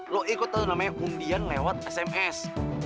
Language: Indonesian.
lo ikut tuh namanya undian lewat sms